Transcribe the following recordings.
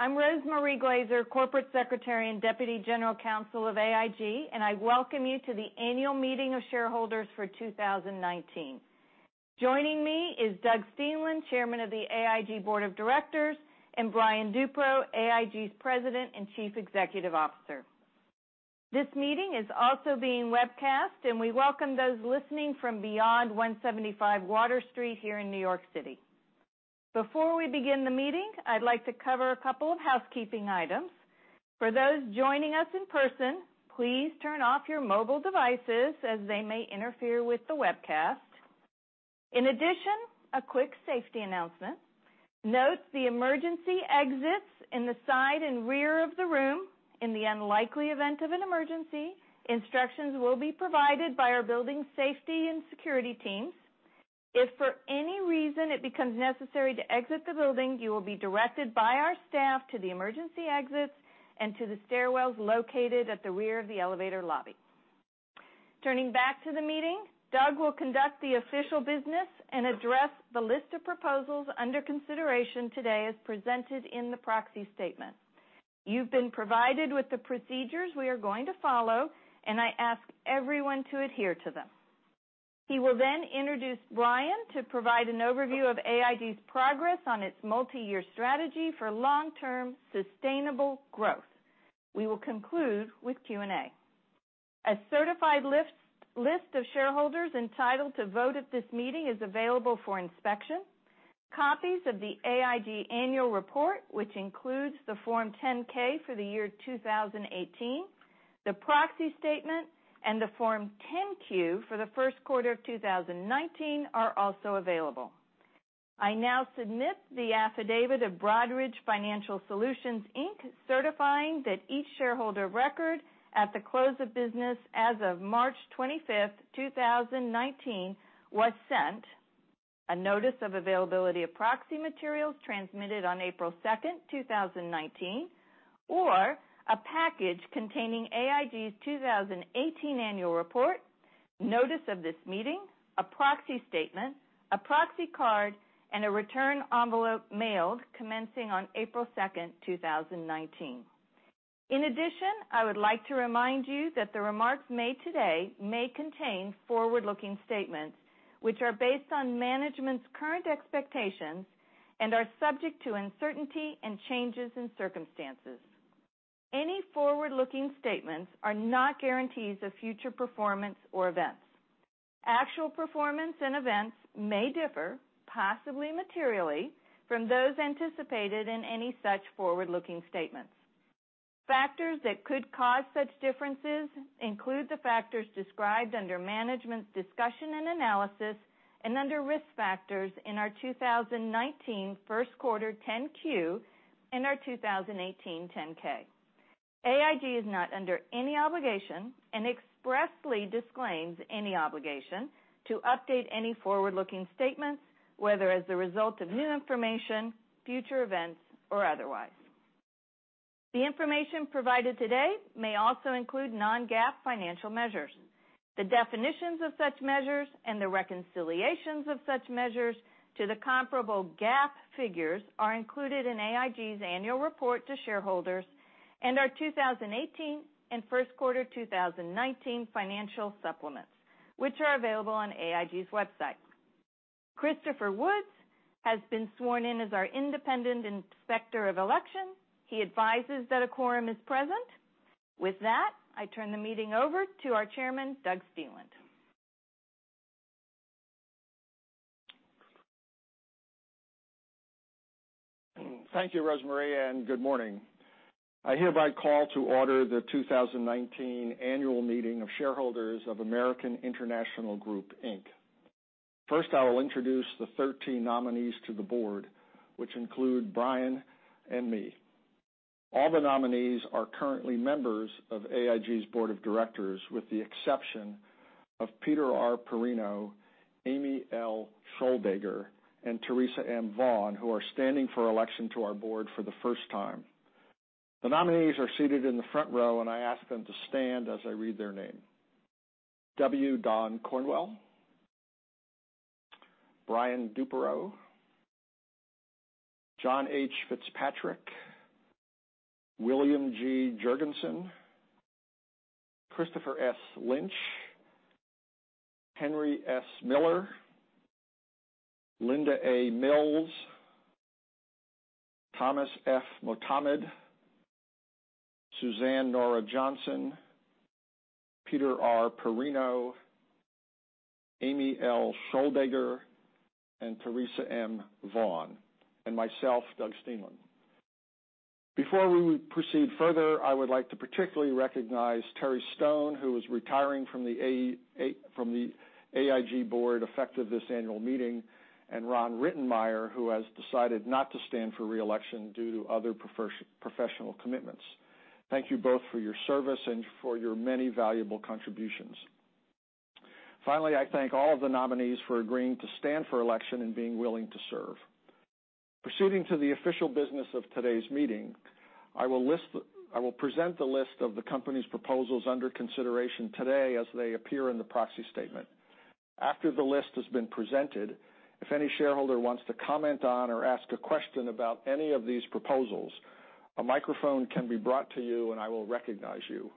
Morning. I'm Rose Marie Glazer, corporate secretary and deputy general counsel of AIG, and I welcome you to the annual meeting of shareholders for 2019. Joining me is Doug Steenland, Chairman of the AIG Board of Directors, and Brian Duperreault, AIG's President and Chief Executive Officer. This meeting is also being webcast, and we welcome those listening from beyond 175 Water Street here in New York City. Before we begin the meeting, I'd like to cover a couple of housekeeping items. For those joining us in person, please turn off your mobile devices as they may interfere with the webcast. In addition, a quick safety announcement. Note the emergency exits in the side and rear of the room. In the unlikely event of an emergency, instructions will be provided by our building safety and security teams. If for any reason it becomes necessary to exit the building, you will be directed by our staff to the emergency exits and to the stairwells located at the rear of the elevator lobby. Turning back to the meeting, Doug will conduct the official business and address the list of proposals under consideration today as presented in the proxy statement. You've been provided with the procedures we are going to follow, and I ask everyone to adhere to them. He will then introduce Brian to provide an overview of AIG's progress on its multi-year strategy for long-term sustainable growth. We will conclude with Q&A. A certified list of shareholders entitled to vote at this meeting is available for inspection. Copies of the AIG annual report, which includes the Form 10-K for the year 2018, the proxy statement, and the Form 10-Q for the first quarter of 2019 are also available. I now submit the affidavit of Broadridge Financial Solutions, Inc., certifying that each shareholder record at the close of business as of March 25th, 2019, was sent a notice of availability of proxy materials transmitted on April 2nd, 2019, or a package containing AIG's 2018 annual report, notice of this meeting, a proxy statement, a proxy card, and a return envelope mailed commencing on April 2nd, 2019. In addition, I would like to remind you that the remarks made today may contain forward-looking statements that are based on management's current expectations and are subject to uncertainty and changes in circumstances. Any forward-looking statements are not guarantees of future performance or events. Actual performance and events may differ, possibly materially, from those anticipated in any such forward-looking statements. Factors that could cause such differences include the factors described under Management's Discussion and Analysis and under Risk Factors in our 2019 first quarter Form 10-Q and our 2018 Form 10-K. AIG is not under any obligation and expressly disclaims any obligation to update any forward-looking statements, whether as a result of new information, future events, or otherwise. The information provided today may also include non-GAAP financial measures. The definitions of such measures and the reconciliations of such measures to the comparable GAAP figures are included in AIG's annual report to shareholders and our 2018 and first quarter 2019 financial supplements, which are available on AIG's website. Christopher Woods has been sworn in as our independent inspector of election. He advises that a quorum is present. With that, I turn the meeting over to our Chairman, Doug Steenland. Thank you, Rose Marie, and good morning. I hereby call to order the 2019 annual meeting of shareholders of American International Group, Inc. First, I will introduce the 13 nominees to the Board, which include Brian and me. All the nominees are currently members of AIG's Board of Directors with the exception of Peter R. Porrino, Amy L. Schioldager, and Therese M. Vaughan, who are standing for election to our Board for the first time. The nominees are seated in the front row, and I ask them to stand as I read their name. W. Don Cornwell, Brian Duperreault, John H. Fitzpatrick, William G. Jurgensen, Christopher S. Lynch, Henry S. Miller, Linda A. Mills, Thomas F. Motamed, Suzanne Nora Johnson, Peter R. Porrino, Amy L. Schioldager, and Therese M. Vaughan, and myself, Doug Steenland. Before we proceed further, I would like to particularly recognize Terry Stone, who is retiring from the AIG Board effective this annual meeting, and Ron Rittenmeyer, who has decided not to stand for re-election due to other professional commitments. Thank you both for your service and for your many valuable contributions. Finally, I thank all of the nominees for agreeing to stand for election and being willing to serve. Proceeding to the official business of today's meeting, I will present the list of the company's proposals under consideration today as they appear in the proxy statement. After the list has been presented, if any shareholder wants to comment on or ask a question about any of these proposals, a microphone can be brought to you and I will recognize you.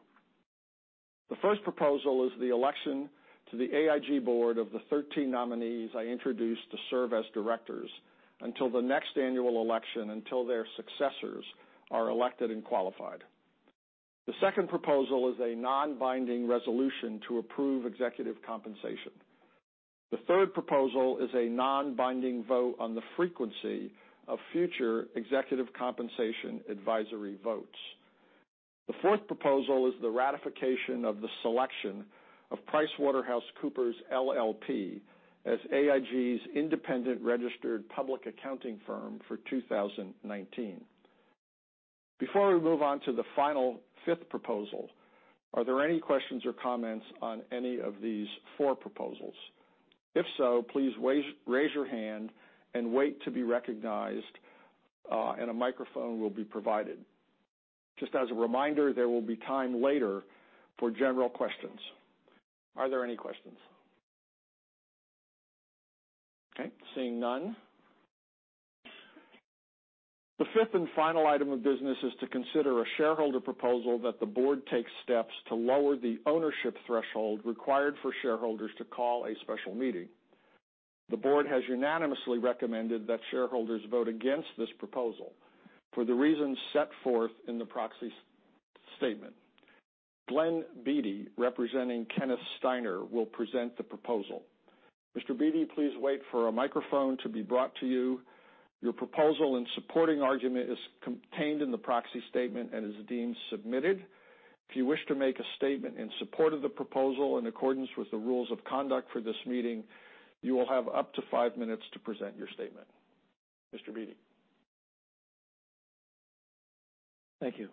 The first proposal is the election to the AIG Board of the 13 nominees I introduced to serve as directors until the next annual election, until their successors are elected and qualified. The second proposal is a non-binding resolution to approve executive compensation. The third proposal is a non-binding vote on the frequency of future executive compensation advisory votes. The fourth proposal is the ratification of the selection of PricewaterhouseCoopers LLP as AIG's independent registered public accounting firm for 2019. Before we move on to the final fifth proposal, are there any questions or comments on any of these four proposals? If so, please raise your hand and wait to be recognized, and a microphone will be provided. Just as a reminder, there will be time later for general questions. Are there any questions? Okay, seeing none. The fifth and final item of business is to consider a shareholder proposal that the Board takes steps to lower the ownership threshold required for shareholders to call a special meeting. The Board has unanimously recommended that shareholders vote against this proposal for the reasons set forth in the proxy statement. Glenn Beaty, representing Kenneth Steiner, will present the proposal. Mr. Beaty, please wait for a microphone to be brought to you. Your proposal and supporting argument is contained in the proxy statement and is deemed submitted. If you wish to make a statement in support of the proposal in accordance with the rules of conduct for this meeting, you will have up to five minutes to present your statement. Mr. Beaty. Thank you.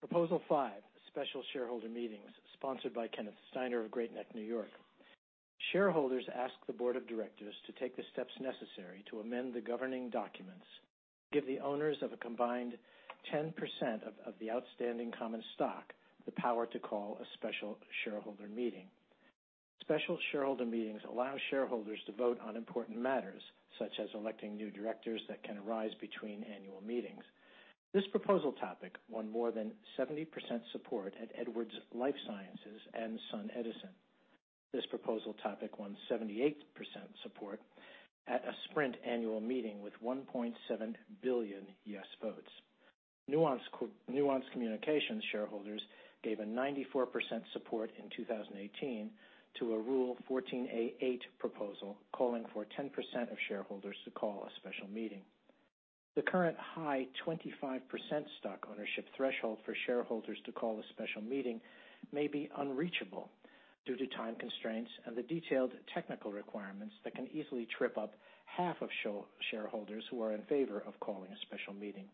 Proposal 5, special shareholder meetings sponsored by Kenneth Steiner of Great Neck, N.Y. Shareholders ask the board of directors to take the steps necessary to amend the governing documents, give the owners of a combined 10% of the outstanding common stock the power to call a special shareholder meeting. Special shareholder meetings allow shareholders to vote on important matters, such as electing new directors that can arise between annual meetings. This proposal topic won more than 70% support at Edwards Lifesciences and SunEdison. This proposal topic won 78% support at a Sprint annual meeting with 1.7 billion yes votes. Nuance Communications shareholders gave a 94% support in 2018 to a Rule 14a-8 proposal calling for 10% of shareholders to call a special meeting. The current high 25% stock ownership threshold for shareholders to call a special meeting may be unreachable due to time constraints and the detailed technical requirements that can easily trip up half of shareholders who are in favor of calling a special meeting.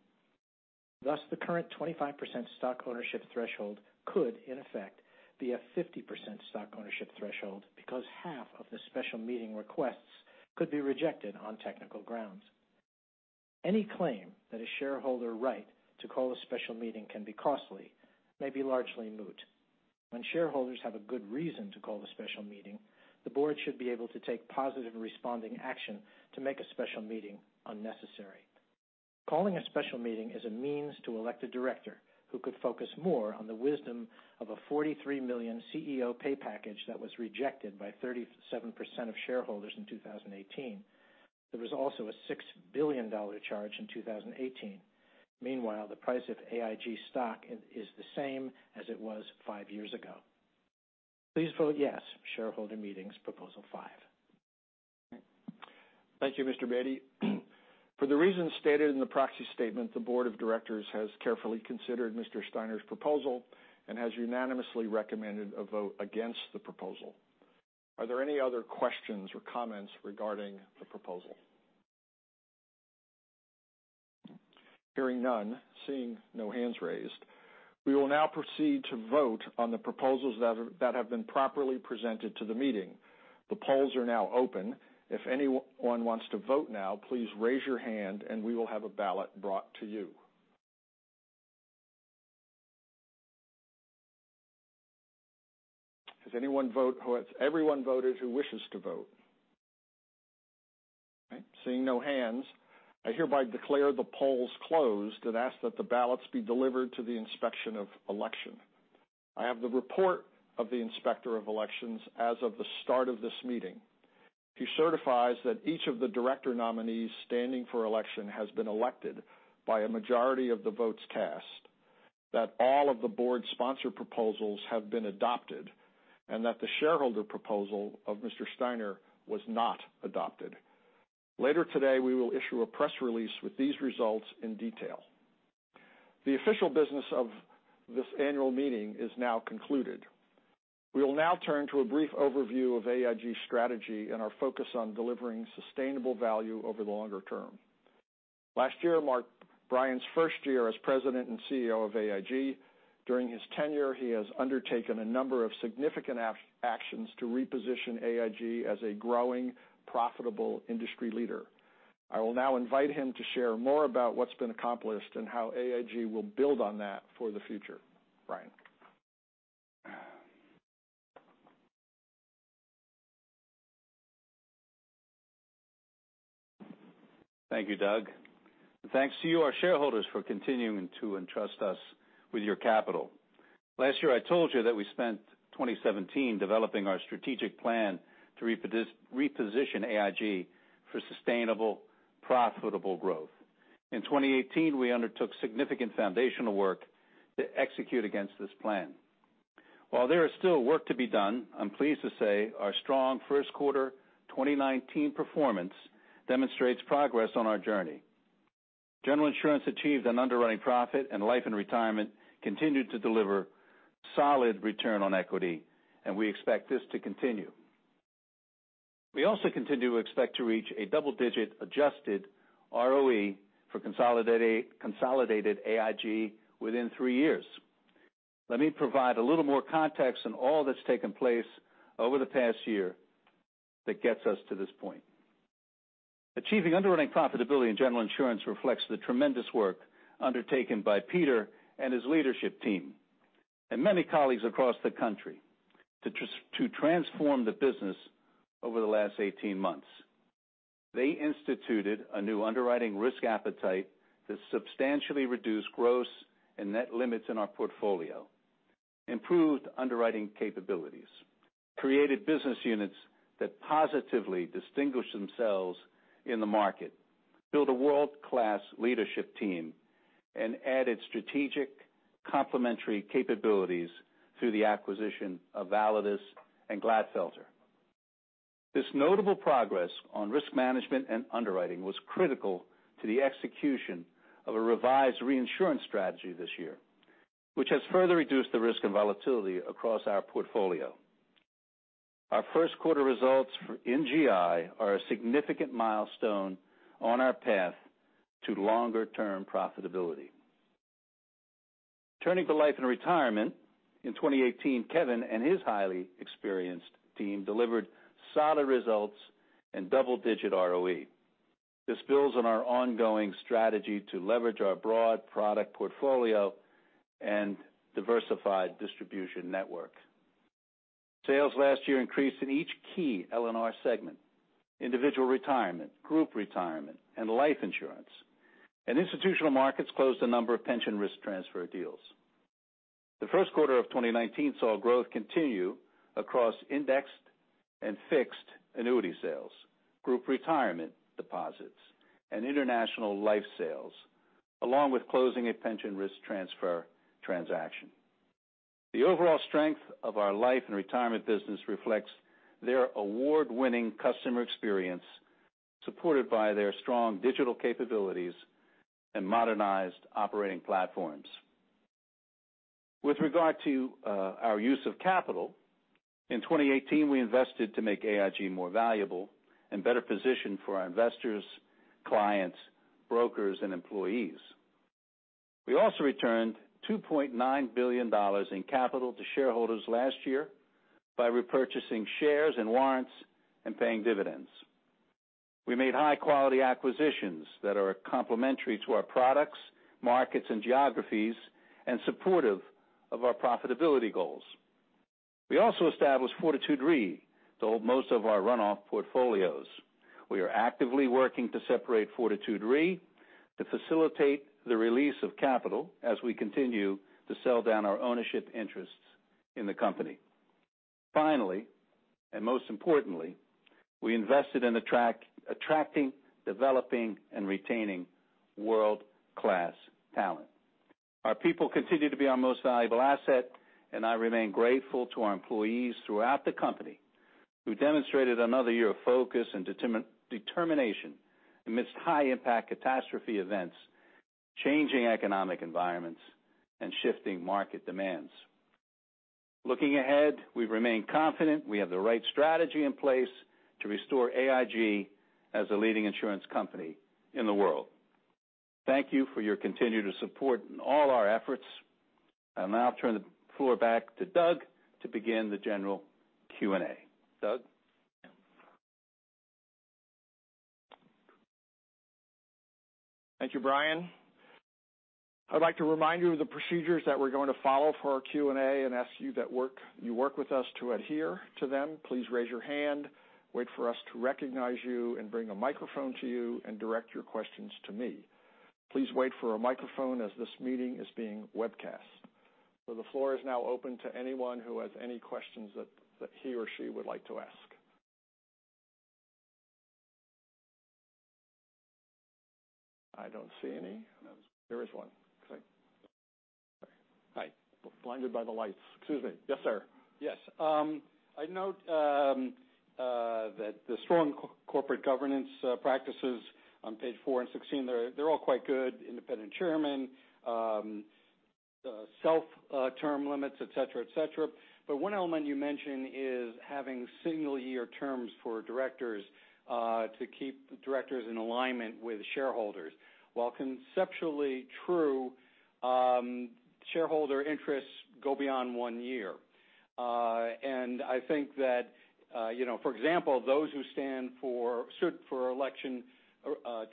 Thus, the current 25% stock ownership threshold could in effect be a 50% stock ownership threshold because half of the special meeting requests could be rejected on technical grounds. Any claim that a shareholder right to call a special meeting can be costly may be largely moot. When shareholders have a good reason to call the special meeting, the board should be able to take positive responding action to make a special meeting unnecessary. Calling a special meeting is a means to elect a director who could focus more on the wisdom of a $43 million CEO pay package that was rejected by 37% of shareholders in 2018. There was also a $6 billion charge in 2018. Meanwhile, the price of AIG stock is the same as it was five years ago. Please vote yes, shareholder meetings proposal 5. Thank you, Mr. Beaty. For the reasons stated in the proxy statement, the board of directors has carefully considered Mr. Steiner's proposal and has unanimously recommended a vote against the proposal. Are there any other questions or comments regarding the proposal? Hearing none, seeing no hands raised, we will now proceed to vote on the proposals that have been properly presented to the meeting. The polls are now open. If anyone wants to vote now, please raise your hand, and we will have a ballot brought to you. Has everyone voted who wishes to vote? Okay, seeing no hands, I hereby declare the polls closed and ask that the ballots be delivered to the Inspector of Election. I have the report of the Inspector of Elections as of the start of this meeting, who certifies that each of the director nominees standing for election has been elected by a majority of the votes cast, that all of the Board's sponsor proposals have been adopted, and that the shareholder proposal of Mr. Steiner was not adopted. Later today, we will issue a press release with these results in detail. The official business of this annual meeting is now concluded. We will now turn to a brief overview of AIG's strategy and our focus on delivering sustainable value over the longer term. Last year marked Brian's first year as President and Chief Executive Officer of AIG. During his tenure, he has undertaken a number of significant actions to reposition AIG as a growing, profitable industry leader. I will now invite him to share more about what's been accomplished and how AIG will build on that for the future. Brian? Thank you, Doug. Thanks to you, our shareholders, for continuing to entrust us with your capital. Last year, I told you that we spent 2017 developing our strategic plan to reposition AIG for sustainable, profitable growth. In 2018, we undertook significant foundational work to execute against this plan. While there is still work to be done, I'm pleased to say our strong first quarter 2019 performance demonstrates progress on our journey. General Insurance achieved an underwriting profit, and Life & Retirement continued to deliver solid return on equity, and we expect this to continue. We also continue to expect to reach a double-digit adjusted ROE for consolidated AIG within three years. Let me provide a little more context on all that's taken place over the past year that gets us to this point. Achieving underwriting profitability in General Insurance reflects the tremendous work undertaken by Peter and his leadership team and many colleagues across the country to transform the business over the last 18 months. They instituted a new underwriting risk appetite that substantially reduced gross and net limits in our portfolio, improved underwriting capabilities, created business units that positively distinguish themselves in the market, built a world-class leadership team, and added strategic complementary capabilities through the acquisition of Validus and Glatfelter. This notable progress on risk management and underwriting was critical to the execution of a revised reinsurance strategy this year, which has further reduced the risk of volatility across our portfolio. Our first quarter results in GI are a significant milestone on our path to longer-term profitability. Turning to Life & Retirement, in 2018, Kevin and his highly experienced team delivered solid results and double-digit ROE. This builds on our ongoing strategy to leverage our broad product portfolio and diversified distribution network. Sales last year increased in each key L&R segment: individual retirement, group retirement, and life insurance. Institutional Markets closed a number of pension risk transfer deals. The first quarter of 2019 saw growth continue across indexed and fixed annuity sales, group retirement deposits, and international life sales, along with closing a pension risk transfer transaction. The overall strength of our Life & Retirement business reflects their award-winning customer experience, supported by their strong digital capabilities and modernized operating platforms. With regard to our use of capital, in 2018, we invested to make AIG more valuable and better positioned for our investors, clients, brokers, and employees. We also returned $2.9 billion in capital to shareholders last year by repurchasing shares and warrants and paying dividends. We made high-quality acquisitions that are complementary to our products, markets, and geographies, and supportive of our profitability goals. We also established Fortitude Re to hold most of our runoff portfolios. We are actively working to separate Fortitude Re to facilitate the release of capital as we continue to sell down our ownership interests in the company. Finally, most importantly, we invested in attracting, developing, and retaining world-class talent. Our people continue to be our most valuable asset, and I remain grateful to our employees throughout the company who demonstrated another year of focus and determination amidst high-impact catastrophe events, changing economic environments, and shifting market demands. Looking ahead, we remain confident we have the right strategy in place to restore AIG as a leading insurance company in the world. Thank you for your continued support in all our efforts. I'll now turn the floor back to Doug to begin the general Q&A. Doug? Thank you, Brian. I'd like to remind you of the procedures that we're going to follow for our Q&A and ask you that you work with us to adhere to them. Please raise your hand, wait for us to recognize you and bring a microphone to you, and direct your questions to me. Please wait for a microphone as this meeting is being webcast. The floor is now open to anyone who has any questions that he or she would like to ask. I don't see any. There is one. Hi. Blinded by the lights. Excuse me. Yes, sir. Yes. I note that the strong corporate governance practices on page four and 16, they're all quite good. Independent chairman, self-term limits, et cetera. One element you mention is having single-year terms for directors to keep the directors in alignment with shareholders. While conceptually true, shareholder interests go beyond one year. I think that, for example, those who stand for election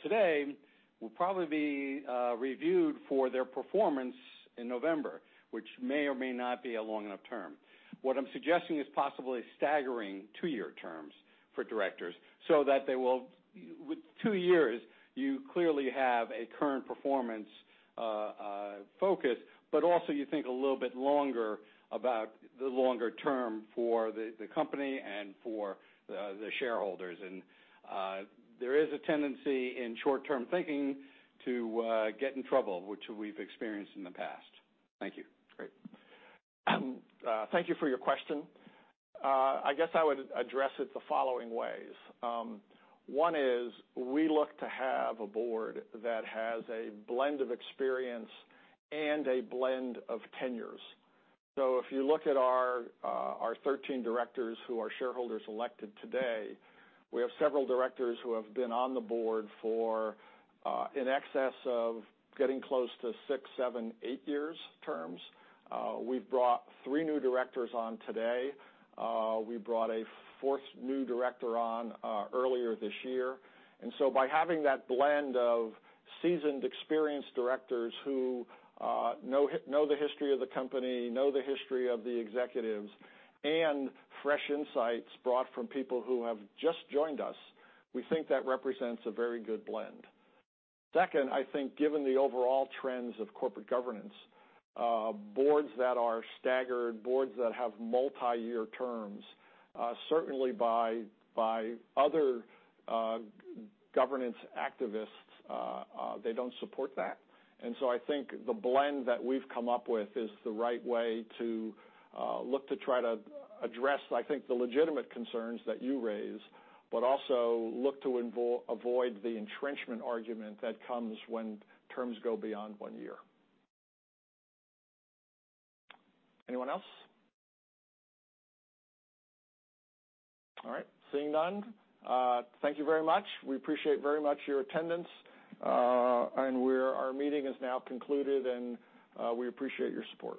today will probably be reviewed for their performance in November, which may or may not be a long enough term. What I'm suggesting is possibly staggering two-year terms for directors so that with two years, you clearly have a current performance focus, but also you think a little bit longer about the longer term for the company and for the shareholders. There is a tendency in short-term thinking to get in trouble, which we've experienced in the past. Thank you. Great. Thank you for your question. I guess I would address it the following ways. One is we look to have a board that has a blend of experience and a blend of tenures. If you look at our 13 directors who are shareholders elected today, we have several directors who have been on the board for in excess of getting close to six, seven, eight years terms. We've brought three new directors on today. We brought a fourth new director on earlier this year. By having that blend of seasoned, experienced directors who know the history of the company, know the history of the executives, and fresh insights brought from people who have just joined us, we think that represents a very good blend. Second, I think given the overall trends of corporate governance, boards that are staggered, boards that have multi-year terms certainly by other governance activists, they don't support that. I think the blend that we've come up with is the right way to look to try to address, I think, the legitimate concerns that you raise, but also look to avoid the entrenchment argument that comes when terms go beyond one year. Anyone else? All right, seeing none, thank you very much. We appreciate very much your attendance. Our meeting is now concluded, and we appreciate your support.